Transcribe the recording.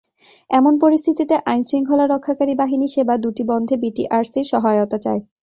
এমন পরিস্থিতিতে আইনশৃঙ্খলা রক্ষাকারী বাহিনী সেবা দুটি বন্ধে বিটিআরসির সহায়তা চায়।